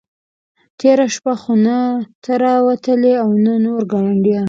تېره شپه خو نه ته را وتلې او نه نور ګاونډیان.